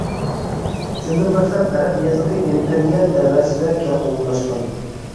شۇندىن باشلاپ ئەرەب يېزىقى ئىمپېرىيە تەۋەسىدە كەڭ ئومۇملاشقان.